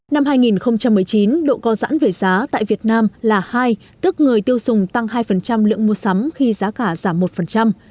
năm hai nghìn một mươi chín độ co giãn về giá tại việt nam là hai tức người tiêu dùng tăng hai lượng mua sắm khi giá cả giảm một